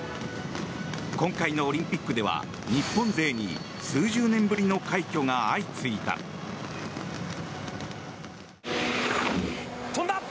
今回のオリンピックでは日本勢に数十年ぶりの快挙が相次いだ。